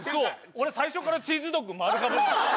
俺最初からチーズドッグ丸かぶり。